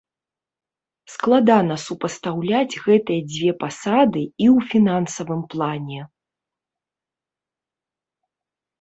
Складана супастаўляць гэтыя дзве пасады і ў фінансавым плане.